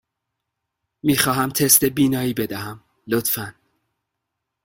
می خواهم تست بینایی بدهم، لطفاً.